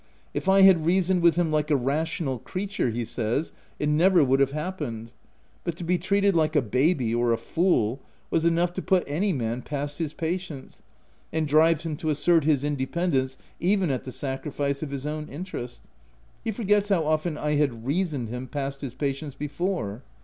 If I had reasoned with him like a rational crea OF WILDFELL HALL. 235 ture, he says, it never would have happened ; but to be treated like a baby or a fool, was enough to put any man past his patience, and drive him to assert his independence even at the sacrifice of his own interest — he forgets how often I had reasoned him * past his pa tience ' before.